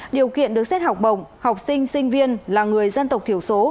điều kiện được xét học bổng học sinh sinh viên là người dân tộc thiểu số